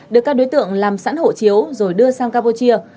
được các đối tượng làm sẵn hộ chiếu rồi đưa sang campuchia